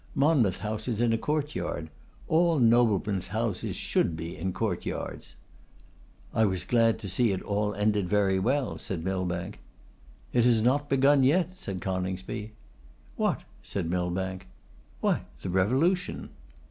Monmouth House is in a court yard. All noblemen's houses should be in court yards.' 'I was glad to see it all ended very well,' said Millbank. 'It has not begun yet,' said Coningsby. 'What?' said Millbank. 'Why, the revolution.